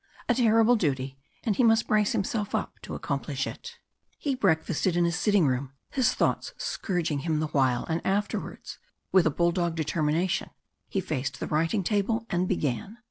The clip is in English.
A terrible duty, and he must brace himself up to accomplish it. He breakfasted in his sitting room, his thoughts scourging him the while, and afterwards, with a bulldog determination, he faced the writing table and began.